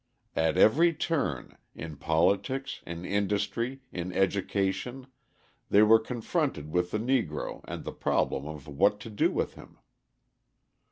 At every turn, in politics, in industry, in education, they were confronted with the Negro and the problem of what to do with him.